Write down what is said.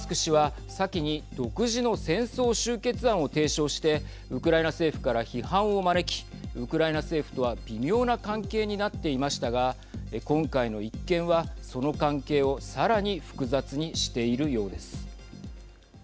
氏は先に独自の戦争終結案を提唱してウクライナ政府から批判を招きウクライナ政府とは微妙な関係になっていましたが今回の一件はその関係をさらに複雑にしているようです。